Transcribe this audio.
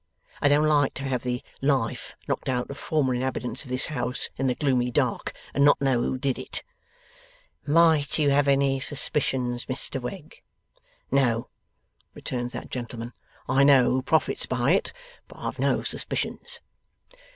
I don't like to have the life knocked out of former inhabitants of this house, in the gloomy dark, and not know who did it.' 'Might you have any suspicions, Mr Wegg?' 'No,' returns that gentleman. 'I know who profits by it. But I've no suspicions.